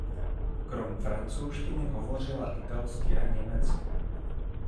Krom francouzštiny hovořila italsky a německy.